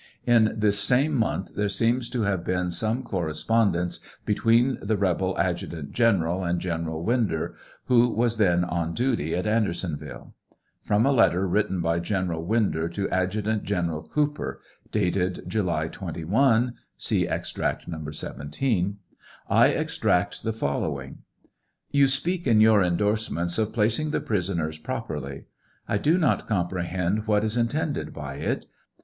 In this same month there seems to have been some correspondence between the rebel adjutant general and General Winder, who was then on duty at Ander sonville. From a letter written by General Winder to Adjutant General Cooper, dated July 21, (see Extract No. 17,) I extract the following: You speak in your indorsement of placing the prisoners properly. I do not comprehend what is intended by it.